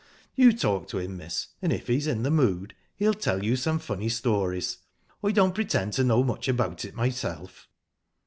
You talk to him, miss, and if he's in the mood he'll tell you some funny stories. I don't pretend to know much about it myself."